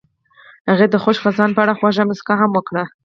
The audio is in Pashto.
هغې د خوښ خزان په اړه خوږه موسکا هم وکړه.